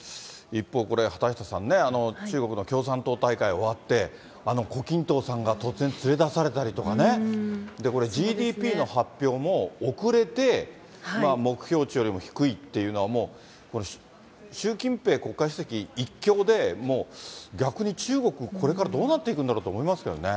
一方、これ、畑下さんね、中国の共産党大会終わって、胡錦涛さんが突然、連れ出されたりとかね、これ、ＧＤＰの発表も遅れて目標値よりも低いというのは、もう、これ、習近平国家主席１強で、逆に中国、これからどうなっていくんだろうと思いますけどね。